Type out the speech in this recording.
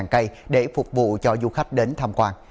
một mươi năm cây để phục vụ cho du khách đến tham quan